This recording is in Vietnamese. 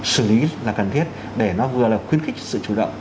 xử lý là cần thiết để nó vừa là khuyến khích sự chủ động